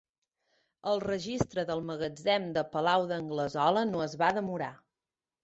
El registre del magatzem de Palau d'Anglesola no es va demorar.